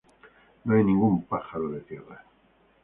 No hay ningún pájaro de tierra.